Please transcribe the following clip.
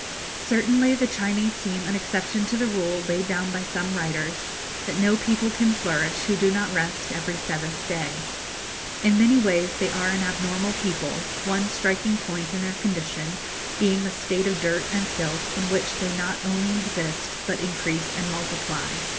Certainly the Chinese seem an exception to the rule laid down by some writers, that no people can flourish who do not rest every seventh day. In many ways they are an abnormal people, one striking point in their condition being the state of dirt and filth in which they not only exist, but increase and multiply.